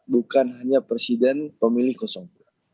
bukan hanya presiden pemilih dua